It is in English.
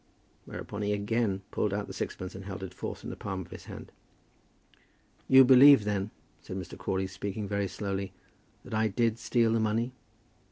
Whereupon he again pulled out the sixpence, and held it forth in the palm of his hand. "You believe, then," said Mr. Crawley, speaking very slowly, "that I did steal the money.